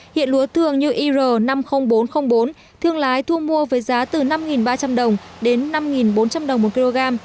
hiện lúa thường như ir năm mươi nghìn bốn trăm linh bốn thương lái thu mua với giá từ năm ba trăm linh đồng đến năm bốn trăm linh đồng một kg